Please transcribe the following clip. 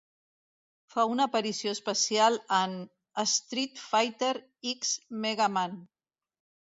Fa una aparició especial en "Street Fighter X Mega Man".